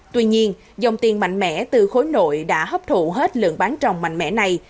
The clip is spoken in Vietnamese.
tuy nhiên dòng tiền mạnh mẽ từ khối nội đã hấp thụ hết lượng bán rồng mạnh mẽ này